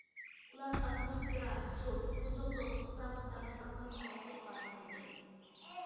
بۇلار ئاتموسفېرا، سۇ، ئوزۇقلۇق، تۇپراق قاتارلىق بىرقانچە تەرەپتە ئىپادىلەندى.